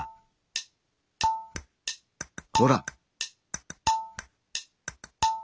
ほら！